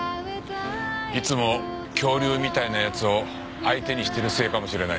いつも恐竜みたいな奴を相手にしてるせいかもしれないな。